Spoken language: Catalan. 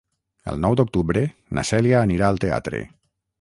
El nou d'octubre na Cèlia anirà al teatre.